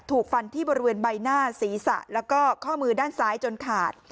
ถูกฟันที่บริเวณใบหน้าศีรษะแล้วก็ข้อมือด้านซ้ายจนขาด